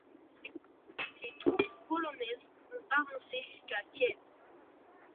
Les troupes polonaises ont avancé jusqu’à Kiev.